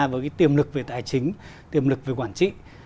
với cái tiềm lực về tài chính tiềm lực về quản trị